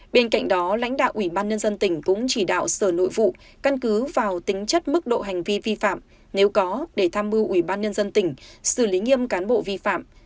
bên cạnh đó lãnh đạo ủy ban nhân dân tỉnh cũng chỉ đạo sở nội vụ căn cứ vào tính chất mức độ hành vi vi phạm nếu có để tham mưu ủy ban nhân dân tỉnh xử lý nghiêm cán bộ vi phạm